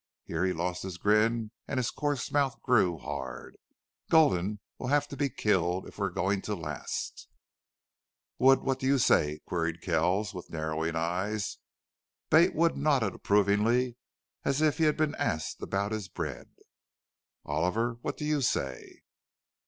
Here he lost his grin and his coarse mouth grew hard. "Gulden will have to be killed if we're goin' to last!" "Wood, what do you say?" queried Kells, with narrowing eyes. Bate Wood nodded as approvingly as if he had been asked about his bread. "Oliver, what do you say?"